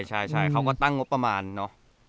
ใช่เขาก็ตั้งงบประมาณเนอะ